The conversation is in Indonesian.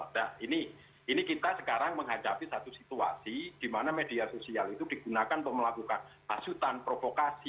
nah ini kita sekarang menghadapi satu situasi di mana media sosial itu digunakan untuk melakukan hasutan provokasi